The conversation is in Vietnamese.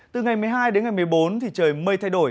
từ ngày một mươi hai đến ngày một mươi bốn thì trời mây thay đổi